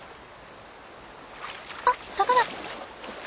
あっ魚！